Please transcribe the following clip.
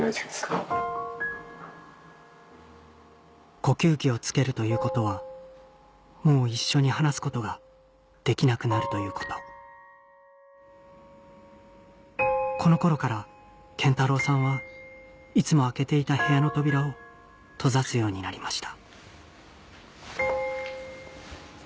呼吸器をつけるということはもう一緒に話すことができなくなるということこの頃から謙太郎さんはいつも開けていた部屋の扉を閉ざすようになりました